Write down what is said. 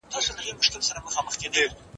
د خاوند او ميرمني لپاره صبر کول څه ګټه لري؟